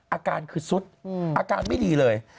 อาการคือสุดอาการไม่ดีเลย